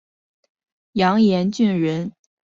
杨延俊人。